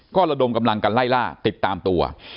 ก็ระดมกำลังกันไล่ล่าติดตามตัว